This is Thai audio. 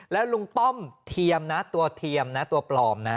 แล้วลุงป้อมเทียมนะตัวเทียมนะตัวปลอมนะ